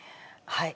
はい。